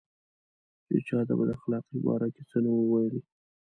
چې چا د بد اخلاقۍ په باره کې څه نه وو ویلي.